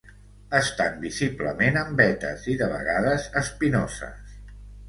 Estan visiblement amb vetes i de vegades espinoses.